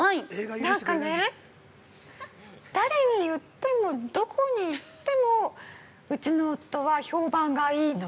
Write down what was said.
なんかね誰に言ってもどこに行ってもうちの夫は評判がいいの。